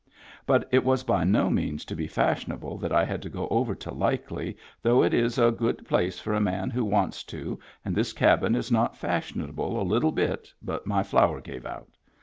But it was by no means to be fashionable that I had to go over to Likely though it is a good place for a man who wants to and this cabin is not fashion able a little bit but my flour gave out.